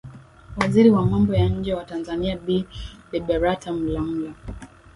Waziri wa Mambo ya Nje wa Tanzania Bi Liberata Mulamula